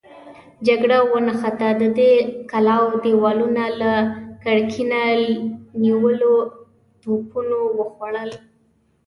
جګړه ونښته، د دې کلاوو دېوالونه له ګرګينه نيولو توپونو وخوړل.